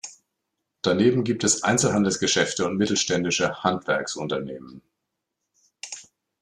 Daneben gibt es Einzelhandelsgeschäfte und mittelständische Handwerksunternehmen.